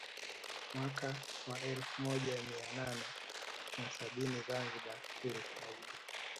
Mwaka wa elfu moja mia nane na sabini Zanzibar ilifaidi